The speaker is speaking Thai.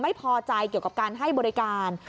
ไม่พอใจเกี่ยวกับการให้บริการ